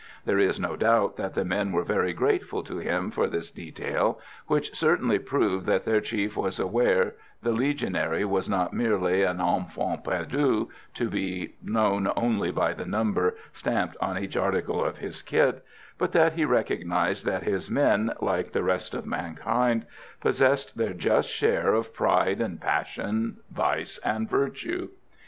There is no doubt that the men were very grateful to him for this detail, which certainly proved that their chief was aware the Legionary was not merely an enfant perdu, to be known only by the number stamped on each article of his kit, but that he recognised that his men, like the rest of mankind, possessed their just share of pride and passion, vice and virtue.